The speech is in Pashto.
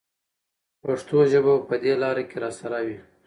پښتو ژبه به په دې لاره کې راسره وي.